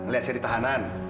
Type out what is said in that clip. lihat saya di tahanan